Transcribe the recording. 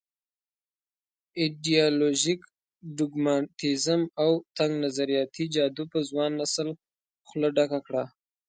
ایډیالوژيک ډوګماتېزم او تنګ نظریاتي جادو په ځوان نسل خوله ډکه کړه.